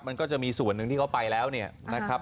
มันก็จะมีส่วนหนึ่งที่เขาไปแล้วเนี่ยนะครับ